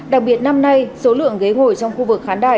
đặc biệt năm nay số lượng ghế ngồi trong khu vực khán đài